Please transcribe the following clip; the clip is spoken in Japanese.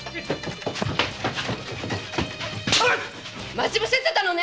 待ち伏せていたのね！